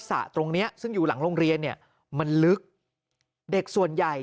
สระตรงเนี้ยซึ่งอยู่หลังโรงเรียนเนี่ยมันลึกเด็กส่วนใหญ่